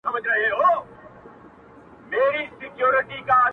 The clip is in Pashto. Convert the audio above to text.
o په شپږمه ورځ نجلۍ نه مري نه هم ښه کيږي,